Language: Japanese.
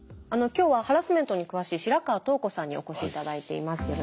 今日はハラスメントに詳しい白河桃子さんにお越し頂いています。